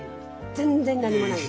全然何もないの。